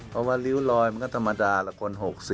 เพราะว่าริ้วลอยมันก็ธรรมดาละคน๖๐